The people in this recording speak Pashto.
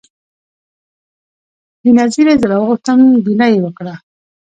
بېنظیري زه راوغوښتم ګیله یې وکړه